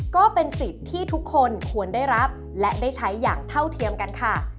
ก็เป็นสิทธิ์ที่ทุกคนควรได้รับและได้ใช้อย่างเท่าเทียมกันค่ะ